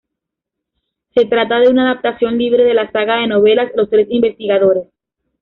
Se trata de una adaptación libre de la saga de novelas "Los tres investigadores".